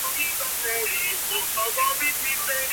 საბურავად გამოყენებულია შიფერი.